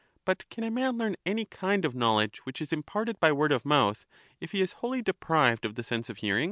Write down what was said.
But can a man learn any kind of knowledge which is imparted by word of mouth if he is wholly deprived of the sense of hearing?